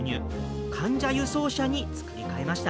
患者輸送車に作り替えました。